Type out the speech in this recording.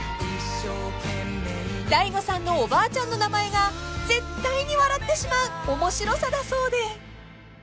［大悟さんのおばあちゃんの名前が絶対に笑ってしまう面白さだそうで］